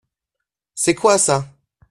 C’est quoi ça ?